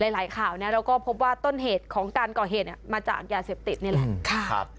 หลายข่าวนะเราก็พบว่าต้นเหตุของการก่อเหตุมาจากยาเสพติดนี่แหละ